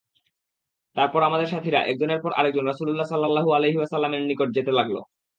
তারপর আমাদের সাথীরা একজনের পর আরেকজন রাসূলুল্লাহ সাল্লাল্লাহু আলাইহি ওয়াসাল্লামের নিকট যেতে লাগল।